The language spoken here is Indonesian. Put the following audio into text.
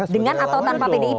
dengan atau tanpa pdip